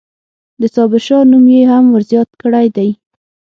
د صابرشاه نوم یې هم ورزیات کړی دی.